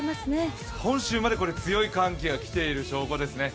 本州まで強い寒気が来ている証拠ですね。